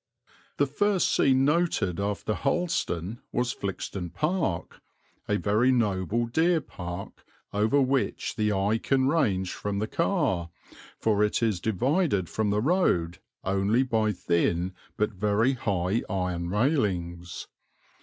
The first scene noted after Harleston was Flixton Park, a very noble deer park over which the eye can range from the car, for it is divided from the road only by thin but very high iron railings.